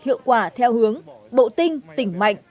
hiệu quả theo hướng bộ tinh tỉnh mạnh